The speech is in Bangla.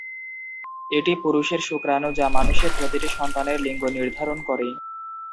এটি পুরুষের শুক্রাণু যা মানুষের প্রতিটি সন্তানের লিঙ্গ নির্ধারণ করে।